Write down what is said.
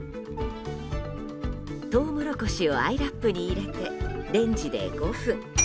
トウモロコシをアイラップに入れてレンジで５分。